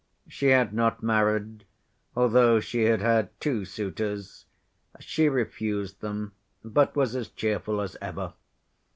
She had not married, although she had had two suitors. She refused them, but was as cheerful as ever.